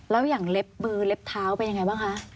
แล้วอย่างเล็บมือเล็บเท้าเป็นยังไงบ้างคะ